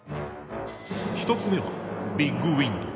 １つ目はビッグウインド。